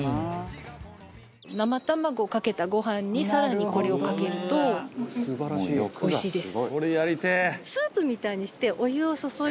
生卵をかけたご飯に更にこれをかけるとおいしいです。